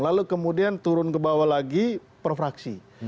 lalu kemudian turun ke bawah lagi per fraksi